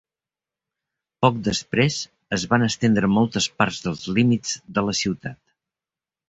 Poc després es van estendre moltes parts dels límits de la ciutat.